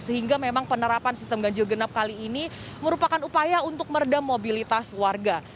sehingga memang penerapan sistem ganjil genap kali ini merupakan upaya untuk meredam mobilitas warga